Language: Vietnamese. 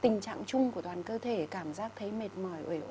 tình trạng chung của toàn cơ thể cảm giác thấy mệt mỏi ủi ủi